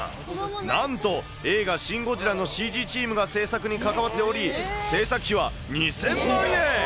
なんと、映画、シン・ゴジラのＣＧチームが制作に関わっており、制作費は２０００万円。